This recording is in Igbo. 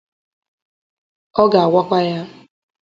ọ ga-agakwu ya